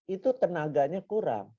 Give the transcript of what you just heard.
itu tenaganya kurang